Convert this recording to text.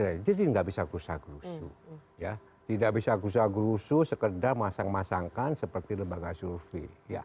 jadi gak bisa kursa kursu tidak bisa kursa kursu sekedar masang masangkan seperti lembaga survei